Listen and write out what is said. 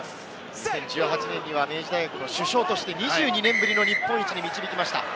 ２０１８年には明治大学の主将として２２年ぶりの日本一に導きました。